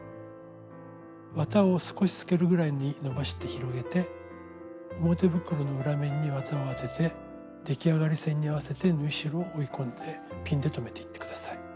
綿を少し透けるぐらいにのばして広げて表袋の裏面に綿を当てて出来上がり線に合わせて縫い代を折り込んでピンで留めていって下さい。